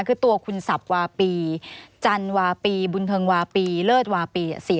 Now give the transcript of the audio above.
คือตัวคุณสับวาปีจันวาปีบุญเทิงวาปีเลิศวาปี๔๔